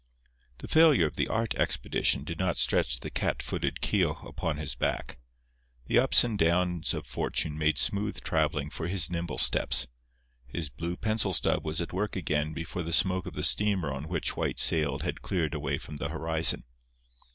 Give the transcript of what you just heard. The failure of the art expedition did not stretch the cat footed Keogh upon his back. The ups and downs of Fortune made smooth travelling for his nimble steps. His blue pencil stub was at work again before the smoke of the steamer on which White sailed had cleared away from the horizon.